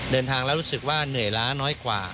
เดินทางแล้วรู้สึกว่าเหนื่อยล้าน้อยกว่า